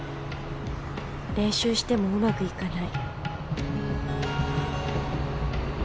練習してもうまくいかない